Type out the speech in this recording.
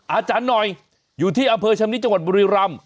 อาจารย์หน่อยอยู่ที่อำเภอชำนิดจังหวัดบุรีรำ